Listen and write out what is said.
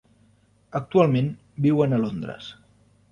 Actualment viuen a Londres.